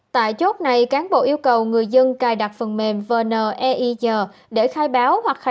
tại chốt này cán bộ yêu cầu người dân cài đặt phần mềm vn e i g để khai báo